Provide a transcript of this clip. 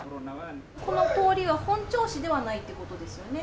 この通りは本調子ではないっていうことですよね？